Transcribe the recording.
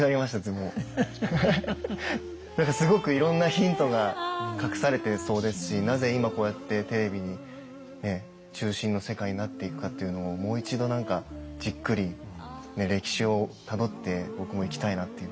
すごくいろんなヒントが隠されてそうですしなぜ今こうやってテレビにねっ中心の世界になっていくかっていうのをもう一度じっくり歴史をたどって僕もいきたいなというふうに感じます。